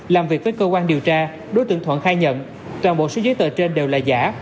làm việc với cơ quan điều tra đối tượng thuận khai nhận toàn bộ số giấy tờ trên đều là giả